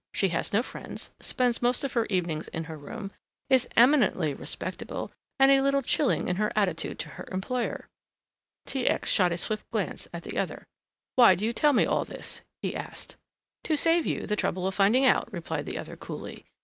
She has no friends, spends most of her evenings in her room, is eminently respectable and a little chilling in her attitude to her employer." T. X. shot a swift glance at the other. "Why do you tell me all this?" he asked. "To save you the trouble of finding out," replied the other coolly.